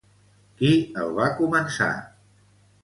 Qui el va començar?